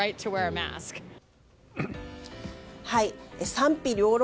賛否両論